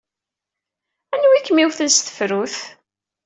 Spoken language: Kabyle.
Anwa ay kem-iwten s tefrut?